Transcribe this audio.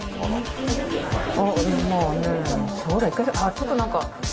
ちょっと何か。